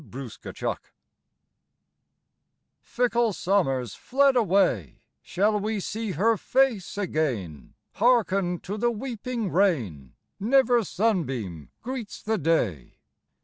FICKLE SUMMER Fickle Summer's fled away, Shall we see her face again? Hearken to the weeping rain, Never sunbeam greets the day.